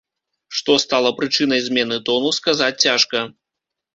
Што стала прычынай змены тону, сказаць цяжка.